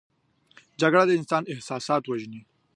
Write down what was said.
جګړه د انسان احساسات وژني